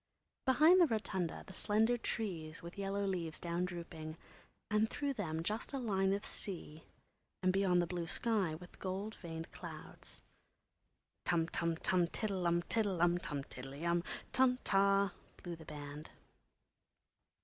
Behind the rotunda the slender trees with yellow leaves down drooping, and through them just a line of sea, and beyond the blue sky with gold veined clouds. Tum tum tum tiddle um! tiddle um! tum tiddley um tum ta! blew the band.